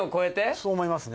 そう思いますね。